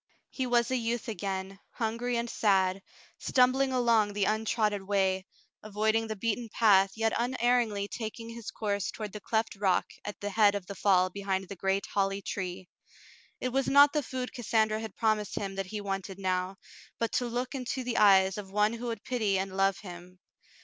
He was a youth again, hungry and sad, stumbling along the untrodden way, avoiding the beaten path, yet un erringly taking his course toward the cleft rock at the head of the fall behind the great holly tree. It was not the food Cassandra had promised him that he wanted now, but to look into the eyes of one who would pity and love him.